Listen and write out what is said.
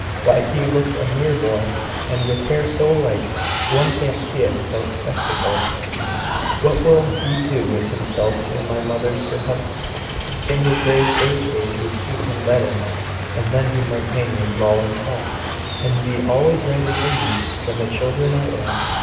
Why he looks a mere boy, and with hair so light, one can't see it without spectacles. What will he do with himself in my mother's good house? Fanny Grey's bird cage would suit him better; and then he might hang in Rowland's hall, and be always ready for use when the children are ill.